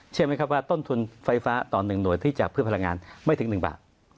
เชื่อไหมครับว่าต้นทุนไฟฟ้าต่อ๑หน่วยที่จะเพื่อพลังงานไม่ถึง๑บาท